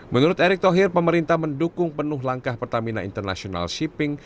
menurut erick thohir pemerintah mendukung penuh langkah pertamina international shipping